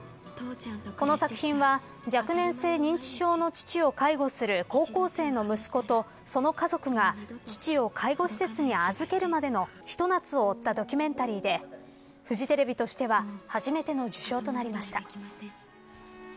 この作品は若年性認知症の父を介護する高校生の息子とその家族が父を介護施設に預けるまでのひと夏を追ったドキュメンタリーでフジテレビとしては初めての受賞となりました。